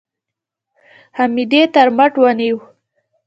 حميديې تر مټ ونيو.